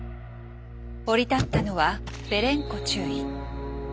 降り立ったのはベレンコ中尉。